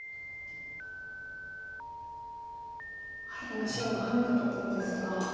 今白がハネたところですが。